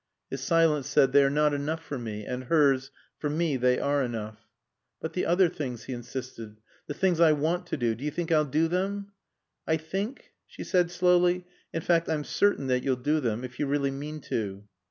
His silence said, "They are not enough for me," and hers, "For me they are enough." "But the other things," he insisted "the things I want to do Do you think I'll do them?" "I think" she said slowly "in fact I'm certain that you'll do them, if you really mean to."